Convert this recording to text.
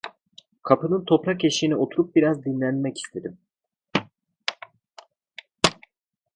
Kapının toprak eşiğine oturup biraz dinlenmek istedim.